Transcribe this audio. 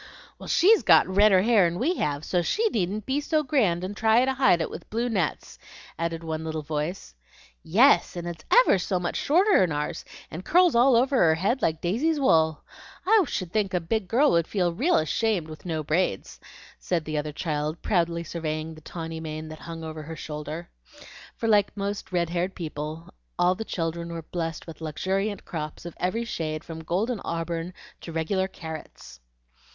"Well, she's got redder hair 'n' we have, so she needn't be so grand and try to hide it with blue nets," added one little voice. "Yes, and it's ever so much shorter 'n' ours, and curls all over her head like Daisy's wool. I should think such a big girl would feel real ashamed without no braids," said the other child, proudly surveying the tawny mane that hung over her shoulders, for like most red haired people all the children were blessed with luxuriant crops of every shade from golden auburn to regular carrots.